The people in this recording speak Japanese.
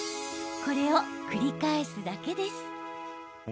これを繰り返すだけです。